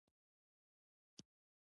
سیاسي پرېکړې باید د مشورو پر بنسټ وي